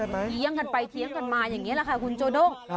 เลี้ยงกันไปเถียงกันมาอย่างนี้แหละค่ะคุณโจด้ง